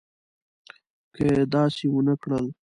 که یې داسې ونه کړل.